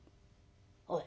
おい。